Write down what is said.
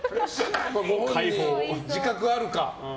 自覚があるか？